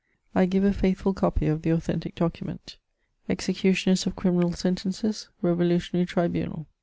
I give a i^thf ul copy of the authentic document :—^' Executioners of Criminal Sentences. Revolutionaiy Tribunal.